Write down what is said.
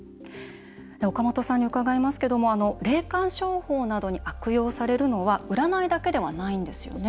岡本さんに伺いますけども霊感商法などに悪用されるのは占いだけではないんですよね。